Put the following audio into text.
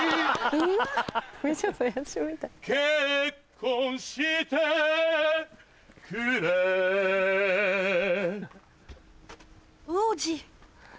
うまい！結婚してくれ王子。